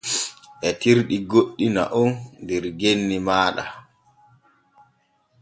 Etirɗi goɗɗi na’on der genni maaɗa.